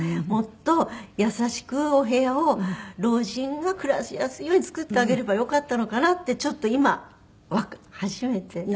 もっと優しくお部屋を老人が暮らしやすいように作ってあげればよかったのかなってちょっと今初めて。